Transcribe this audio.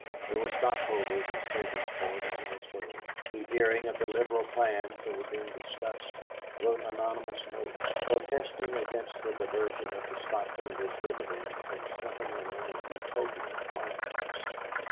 There were stockholders in Sabinsport and elsewhere who, hearing of the liberal plans that were being discussed, wrote anonymous notes, protesting against the diversion of the stockholders' dividends in sentimental and Utopian plans.